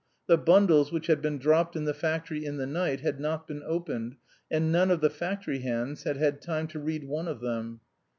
The bundles, which had been dropped in the factory in the night, had not been opened, and none of the factory hands had had time to read one of them.